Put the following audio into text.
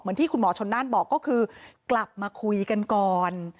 ที่คุณหมอชนน่านบอกก็คือกลับมาคุยกันก่อน